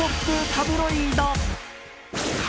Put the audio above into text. タブロイド。